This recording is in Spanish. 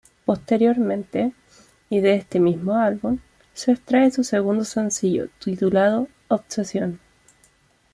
Posteriormente, y de este mismo álbum, se extrae su segundo sencillo titulado "Obsesión".